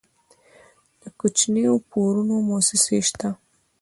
د کوچنیو پورونو موسسې شته؟